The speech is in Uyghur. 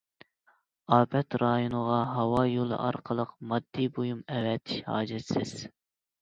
ئاپەت رايونىغا ھاۋا يولى ئارقىلىق ماددىي بۇيۇم ئەۋەتىش ھاجەتسىز.